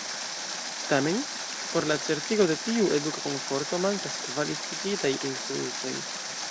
Tamen, por la certigo de tiu eduka komforto mankas kvalifikitaj instruistoj.